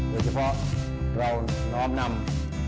โดยเฉพาะเราน้อมนำ